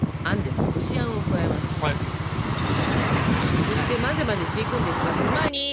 そして混ぜ混ぜしていくんですがその前に。